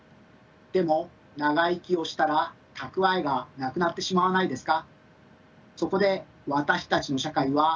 でも長生きをしたら蓄えがなくなってしまわないですか？